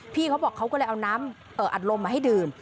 พี่เขาบอกเขาก็เลยเอาน้ำอัดลมมาให้ดื่ม